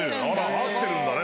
合ってるんだね。